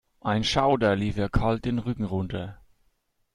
Ein Schauder lief ihr kalt den Rücken runter.